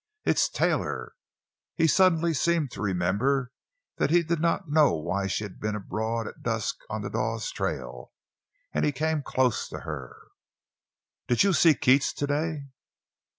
"It's Taylor!" He suddenly seemed to remember that he did not know why she had been abroad at dusk on the Dawes trail, and he came close to her. "Did you see Keats today?"